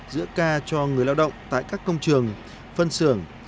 giữa ca cho người lao động tại các công trường phân xưởng